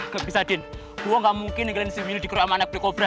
gak bisa din gua gak mungkin ngegelen si wily dikru sama anak pekobra